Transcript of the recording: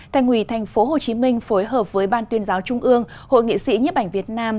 thành quỳ thành phố hồ chí minh phối hợp với ban tuyên giáo trung ương hội nghị sĩ nhiếp ảnh việt nam